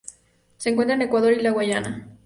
Se encuentra en Ecuador y la Guayana.